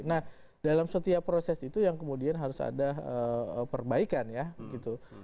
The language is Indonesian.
nah dalam setiap proses itu yang kemudian harus ada perbaikan ya gitu